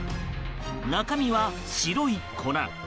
中身は白い粉。